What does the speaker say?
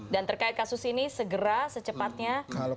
dan terkait kasus ini segera secepatnya diselesaikan